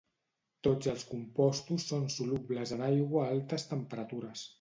Tots els compostos són solubles en aigua a altes temperatures.